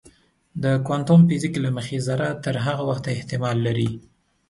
د کوانتم فزیک له مخې ذره تر هغه وخته احتمال لري.